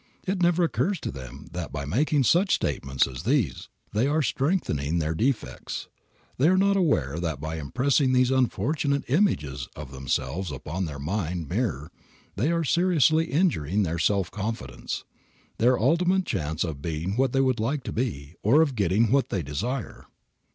It never occurs to them that by making such statements as these they are strengthening their defects. They are not aware that by impressing these unfortunate images of themselves upon their mental mirror they are seriously injuring their self confidence, their ultimate chance of being what they would like to be or of getting what they desire.